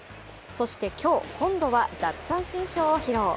そして今日、今度は奪三振ショーを披露。